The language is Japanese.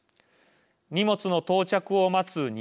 荷物の到着を待つ荷